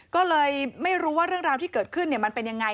ก็เลยไม่รู้ว่าเรื่องราวที่เกิดขึ้นมันเป็นยังไง